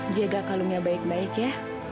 jaga kalungnya baik baik ya